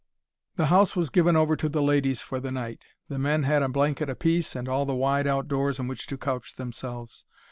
The house was given over to the ladies for the night. The men had a blanket apiece, and all the wide out doors in which to couch themselves.